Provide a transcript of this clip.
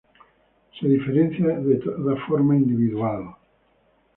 Se diferencia de toda forma individual.